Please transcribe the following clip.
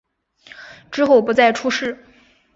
之后不再出仕。